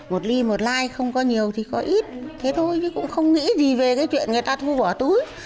một ly một lai không có nhiều thì có ít thế thôi chứ cũng không nghĩ gì về cái chuyện người ta thu vỏ túi